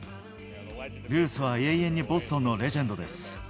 ルースは永遠にボストンのレジェンドです。